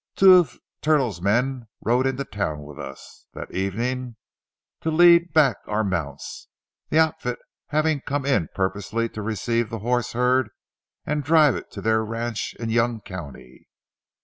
Two of Turtle's men rode into town with us that evening to lead back our mounts, the outfit having come in purposely to receive the horse herd and drive it to their ranch in Young County.